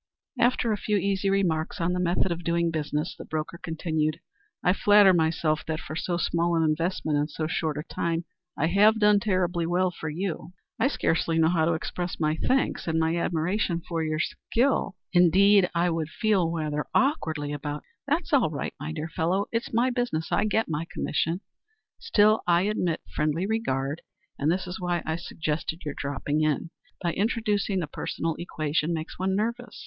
After a few easy remarks on the methods of doing business the broker continued, "I flatter myself that for so small an investment and so short a time, I have done tolerably well for you." "I scarcely know how to express my thanks and my admiration for your skill. Indeed I feel rather awkwardly about " "That's all right, my dear fellow. It's my business; I get my commission. Still I admit friendly regard and this is why I suggested your dropping in by introducing the personal equation, makes one nervous.